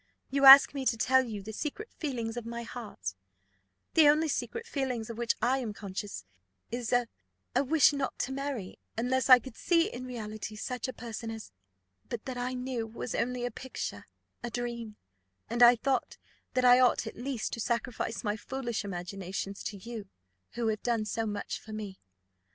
You ask me to tell you the secret feelings of my heart: the only secret feeling of which I am conscious is a wish not to marry, unless I could see in reality such a person as But that I knew was only a picture, a dream; and I thought that I ought at least to sacrifice my foolish imaginations to you, who have done so much for me.